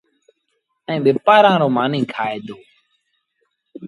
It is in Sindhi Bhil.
ائيٚݩ ٻپآݩرآرو مآݩيٚ کآئي دو